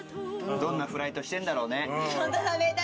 どんなフライトしてんだろうね？